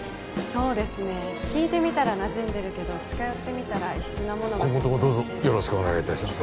そうですね引いて見たらなじんでるけど近寄ってみたら異質なものが今後ともどうぞよろしくお願いいたします